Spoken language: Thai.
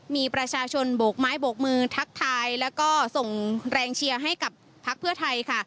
มีประชาชนโบกไม้โบกมือทักทายแล้วก็ส่งแรงเชียร์ให้กับพักเพื่อไทยค่ะ